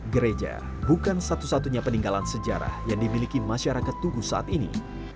gereja bukan satu satunya peninggalan sejarah yang dimiliki masyarakat tugu saat ini